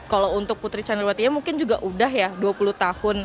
kalau untuk putri candrawati mungkin juga udah ya dua puluh tahun